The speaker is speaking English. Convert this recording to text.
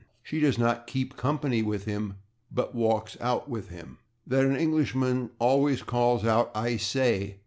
She does not /keep company/ with him but /walks out/ with him. That an Englishman always calls out "/I/ say!"